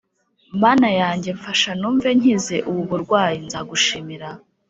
mana yanjye mfasha numve nkize ubu burwayi nzagushimira